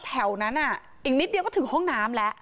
แถวนั้นอีกนิดเดียวก็ถึงห้องน้ำแล้ว